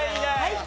はい。